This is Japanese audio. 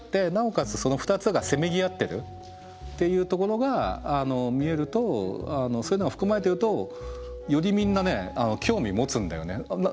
その２つがせめぎ合ってるっていうところが見えるとそういうのが含まれているとよりみんなね興味持つんだよね。